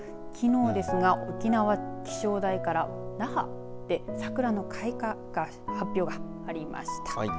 きのうですが、沖縄気象台から那覇でサクラの開花が発表がありました。